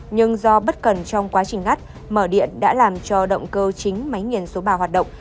nhưng do bất cần trong quá trình ngắt mở điện đã làm cho động cơ chính máy nghiền số ba hoạt động